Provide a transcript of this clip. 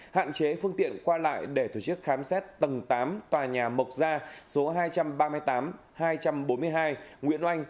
hạn chế phương tiện qua lại để tổ chức khám xét tầng tám tòa nhà mộc gia số hai trăm ba mươi tám hai trăm bốn mươi hai nguyễn oanh